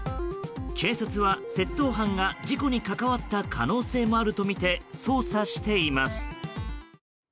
警察は、窃盗犯が事故に関わった可能性もあるとみて捜査しています。